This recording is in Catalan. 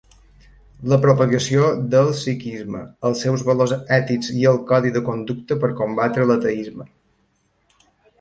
La propagació del Sikhisme, els seus valors ètics i el codi de conducta per combatre l'ateisme.